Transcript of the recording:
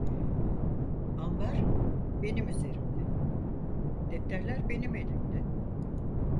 Ambar benim üzerimde, defterler benim elimde…